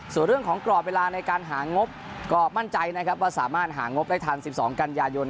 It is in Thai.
ส่วนเรื่องของกรอบเวลาในการหางบก็มั่นใจนะครับว่าสามารถหางบได้ทัน๑๒กันยายน